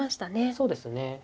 そうですね。